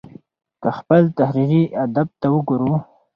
که خپل تحريري ادب ته وګورو